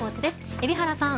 海老原さん